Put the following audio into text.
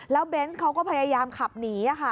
แล้วเบนส์เขาก็พยายามขับหนีค่ะ